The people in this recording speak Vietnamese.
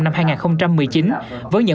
năm hai nghìn một mươi chín vẫn nhận